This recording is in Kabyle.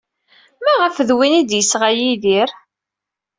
Maɣef d win ay d-yesɣa Yidir?